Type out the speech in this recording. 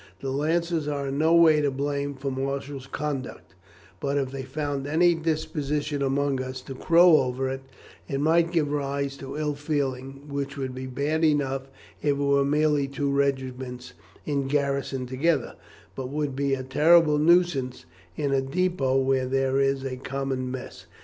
The Lancers are in no way to blame for Marshall's conduct; but, if they found any disposition among us to crow over it, it might give rise to ill feeling, which would be bad enough if it were merely two regiments in garrison together, but would be a terrible nuisance in a depôt where there is a common mess.